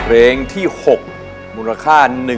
แสนบาท